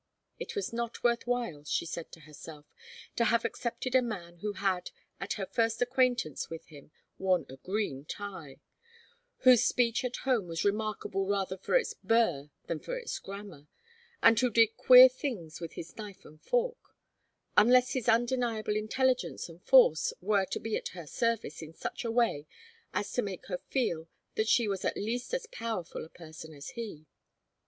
It was not worth while, she said to herself, to have accepted a man who had, at her first acquaintance with him, worn a green tie; whose speech at home was remarkable rather for its 'burr' than for its grammar, and who did queer things with his knife and fork unless his undeniable intelligence and force were to be at her service in such a way as to make her feel that she was at least as powerful a person as he.